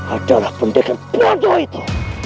adalah pendekar bodoh itu